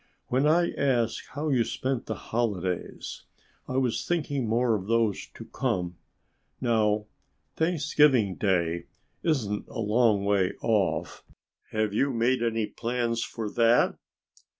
"When I asked how you spent the holidays I was thinking more of those to come. Now, Thanksgiving Day isn't a long way off. Have you made any plans for that?"